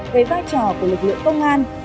về vai trò của lực lượng công an